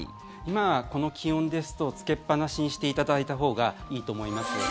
今、この気温ですとつけっぱなしにしていただいたほうがいいと思います。